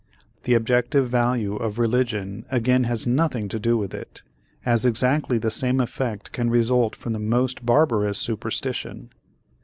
The objective value of religion again has nothing to do with it, as exactly the same effect can result from the most barbarous superstition.